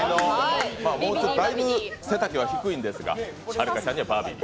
だいぶ背丈は低いんですがはるかちゃんにはバビディ。